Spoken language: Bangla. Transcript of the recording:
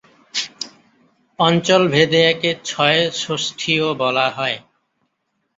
অঞ্চলভেদে একে ছয়ষষ্ঠীও বলা হয়।